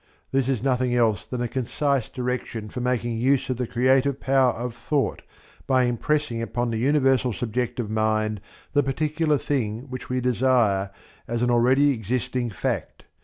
This is nothing else than a concise direction for making use of the creative power of thought by impressing upon the universal subjective mind the particular thing which we desire as an already existing fact.